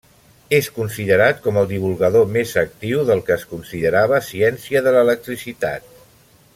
És considerat com el divulgador més actiu del que es considerava ciència de l'electricitat.